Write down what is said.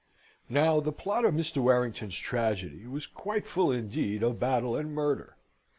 Now the plot of Mr. Warrington's tragedy was quite full indeed of battle and murder.